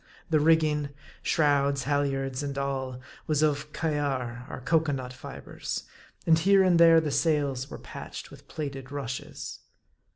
The rigging shrouds, halyards and all was of " Kaiar," or cocoa nut fibres ; and here and there the sails were patched with plaited rushes.